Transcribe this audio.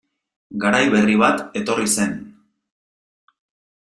Garai berri bat etorri zen...